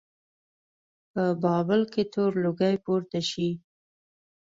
په بابل کې تور لوګی پورته شي.